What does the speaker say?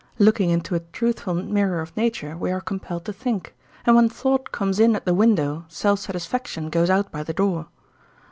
Looking into a truthful mirror of nature we are compelled to think; and when thought comes in at the window self satisfaction goes out by the door.